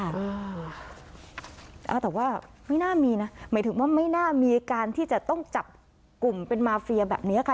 แต่ว่าไม่น่ามีนะหมายถึงว่าไม่น่ามีการที่จะต้องจับกลุ่มเป็นมาเฟียแบบนี้ค่ะ